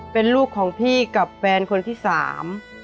เป็นลูกของพี่กับแฟนคนที่สาม